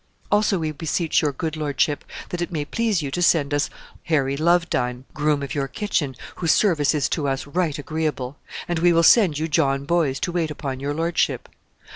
"Also we beseech your good lordship that it may please you to send us Harry Lovedeyne, groom of your kitchen, whose service is to us right agreeable; and we will send you John Boyes to wait upon your lordship.